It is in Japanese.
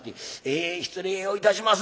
「え失礼をいたします。